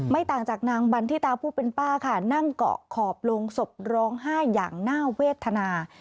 ต่างจากนางบันทิตาผู้เป็นป้าค่ะนั่งเกาะขอบลงศพร้องไห้อย่างน่าเวทนา